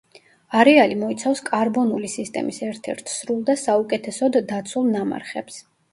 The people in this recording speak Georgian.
არეალი მოიცავს კარბონული სისტემის ერთ-ერთ სრულ და საუკეთესოდ დაცულ ნამარხებს.